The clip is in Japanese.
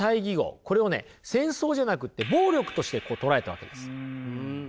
戦争じゃなくって暴力として捉えたわけです。